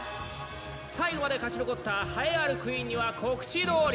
最後まで勝ち残った栄えあるクイーンには告知どおり。